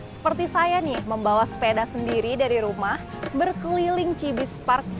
seperti saya nih membawa sepeda sendiri dari rumah berkeliling chibis park